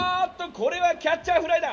これはキャッチャーフライだ！